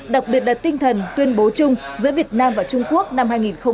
đặc biệt là tinh thần tuyên bố chung giữa việt nam và trung quốc năm hai nghìn hai mươi